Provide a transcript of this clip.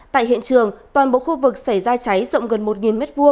tại hiện trường toàn bộ khu vực xảy ra cháy rộng gần một m hai